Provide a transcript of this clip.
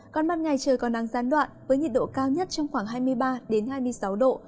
còn ban ngày trời còn nắng gián đoạn với nhiệt độ cao nhất trong khoảng hai mươi ba hai mươi sáu độ